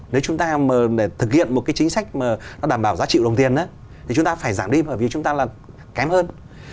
nếu chúng ta thực hiện một chính sách đảm bảo giá trị của đồng tiền thì chúng ta phải giảm đi bởi vì chúng ta là kém hơn